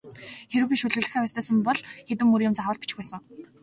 Хэрэв би шүлэглэх авьяастай сан бол хэдэн мөр юм заавал бичих байсан.